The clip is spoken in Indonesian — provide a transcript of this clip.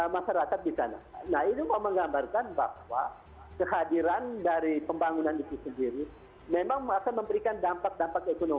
masyarakat di sana nah itu mau menggambarkan bahwa kehadiran dari pembangunan itu sendiri memang akan memberikan dampak dampak ekonomi